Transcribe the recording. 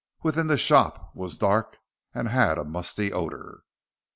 Within the shop was dark and had a musty odor.